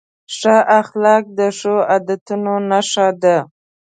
ښه اخلاق د ښو عادتونو نښه ده.